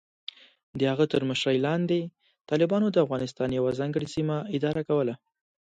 د هغه تر مشرۍ لاندې، طالبانو د افغانستان یوه ځانګړې سیمه اداره کوله.